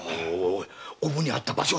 おぶんに会った場所は？